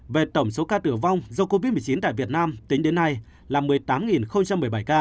về tổng số ca tử vong do covid một mươi chín tại việt nam tính đến nay là một mươi tám một mươi bảy ca